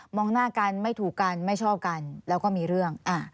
หน้ากันไม่ถูกกันไม่ชอบกันแล้วก็มีเรื่อง